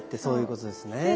そういうことですね。